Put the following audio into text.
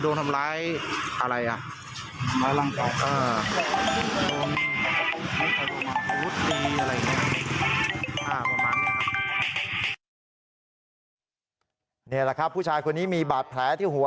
นี่แหละครับผู้ชายคนนี้มีบาดแผลที่หัว